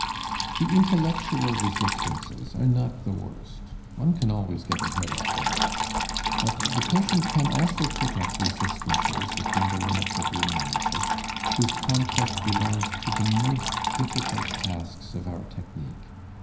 The intellectual resistances are not the worst, one can always get ahead of them. But the patient can also put up resistances, within the limits of the analysis, whose conquest belongs to the most difficult tasks of our technique.